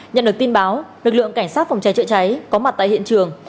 nhận được tin báo lực lượng cảnh sát phòng cháy chữa cháy có mặt tại hiện trường